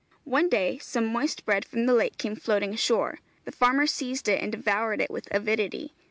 One day some moist bread from the lake came floating ashore. The farmer seized it, and devoured it with avidity.